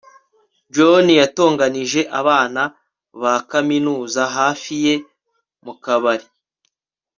john yatonganije abana ba kaminuza hafi ye mu kabari